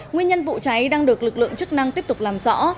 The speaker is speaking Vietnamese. nguyên nhân vụ cháy đang được lực lượng chức năng tiếp tục làm rõ